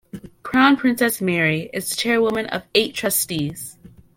Crown Princess Mary is the chairwoman of eight trustees.